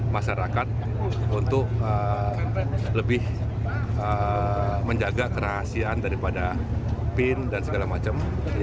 masyarakat untuk lebih menjaga kerahasiaan daripada pin dan segala macam